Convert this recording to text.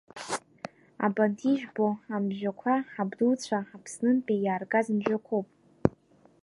Абанҭ ижәбо амжәақәа ҳабдуцәа Аԥснынтәи иааргаз мжәақәоуп.